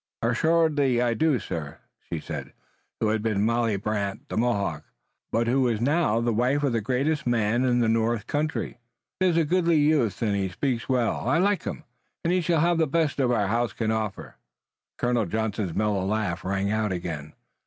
"Assuredly I do, sir," said she who had been Molly Brant, the Mohawk, but who was now the wife of the greatest man in the north country. "Tis a goodly youth and he speaks well. I like him, and he shall have the best our house can offer." Colonel Johnson's mellow laugh rang out again.